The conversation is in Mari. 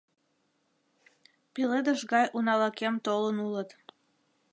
Пеледыш гай уналакем толын улыт.